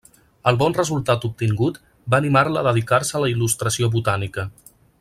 El bon resultat obtingut va animar-la a dedicar-se a la il·lustració botànica.